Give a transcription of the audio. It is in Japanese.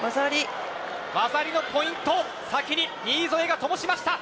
技ありのポイントを先に新添がともしました。